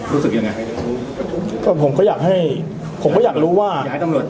รู้สึกยังไงก็ผมก็อยากให้ผมก็อยากรู้ว่าอยากให้ตำรวจ